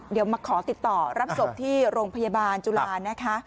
เดี๋ยวมาขอติดต่อรับศพที่โรงพยาบาลจุฬานะคะ